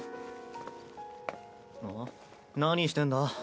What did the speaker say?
何してんだ？